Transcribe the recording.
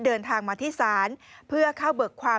เดินทางมาที่ศาลเพื่อเข้าเบิกความ